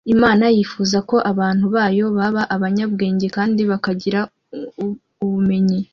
imana yifuza ko abantu bayo baba abanyabwenge kandi bakagira ubumenyi